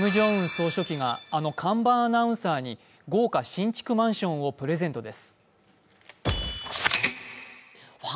総書記があの看板アナウンサーに豪華新築マンションをプレゼントです。